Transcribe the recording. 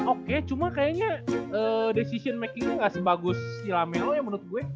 oke cuma kayaknya decision making nya gak sebagus si lame lobo ya menurut gue